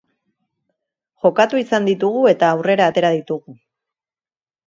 Jokatu izan ditugu eta aurrera atera ditugu.